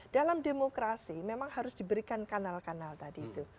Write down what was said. dalam demokrasi memang harus diberikan kanal kanal tadi itu